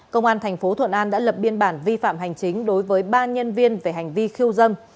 công an thành phố thuận an đã lập biên bản vi phạm hành chính đối với ba nhân viên về hành vi khiêu dâm